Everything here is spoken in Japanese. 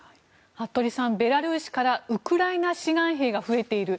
服部さん、ベラルーシからウクライナ志願兵が増えている。